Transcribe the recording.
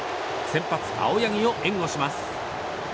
先発、青柳を援護します。